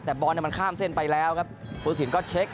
แต่บอลเนี่ยมันข้ามเส้นไปแล้วครับภูสินก็เช็ค